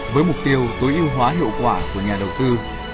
với mục tiêu tối ưu hóa hiệu quả của nhà đầu tư